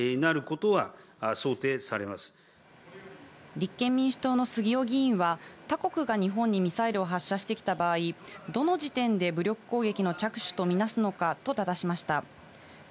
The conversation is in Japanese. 立憲民主党の杉尾議員は他国が日本にミサイルを発射してきた場合、どの時点で武力攻撃の着手とみなすのかと質しました。